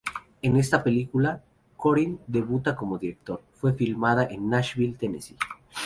En esta película, Korine debuta como director, fue filmada en Nashville, Tennessee.